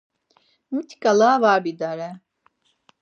Mitiǩala var bidare.